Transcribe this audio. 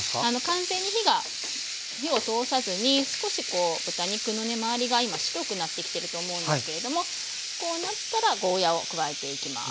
完全に火を通さずに少しこう豚肉のね周りが今白くなってきてると思うんですけれどもこうなったらゴーヤーを加えていきます。